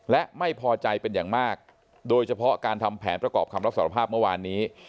และไม่พอใจเป็นอย่างมากโดยเฉพาะการทำแผนประกอบคำรับสารภาพเมื่อวานนี้